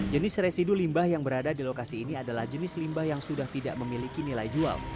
jenis residu limbah yang berada di lokasi ini adalah jenis limbah yang sudah tidak memiliki nilai jual